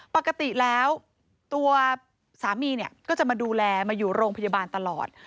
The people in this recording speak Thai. ปกติแล้วตัวสามีเนี่ยก็จะมาดูแลมาอยู่โรงพยาบาลตลอด